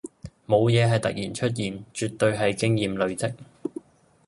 冇嘢係突然出現，絕對係經驗累積